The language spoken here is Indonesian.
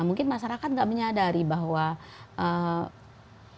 mungkin masyarakat enggak menyadari bahwa potensi penularan penyakit zoonosis